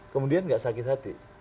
kemudian tidak sakit hati